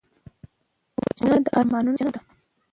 وژنه د ارمانونو وژنه ده